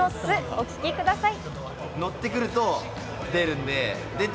お聞きください。